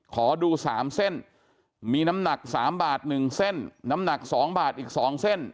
ขอดูสามเส้นมีน้ำหนักสามบาทหนึ่งเส้นน้ำหนักสองบาทอีกสองเส้น